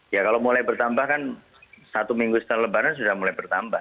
ya kalau mulai bertambah kan satu minggu setelah lebaran sudah mulai bertambah